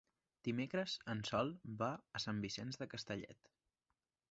Dimecres en Sol va a Sant Vicenç de Castellet.